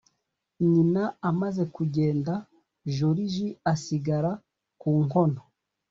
nyina amaze kugenda joriji asigara ku nkono